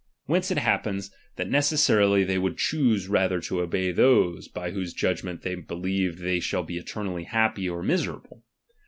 Whence it hap ^M pens, that necessarily they would choose rather to ^M obey those, by whose judgment they believe that ^M they shall be eternally happy or miserable.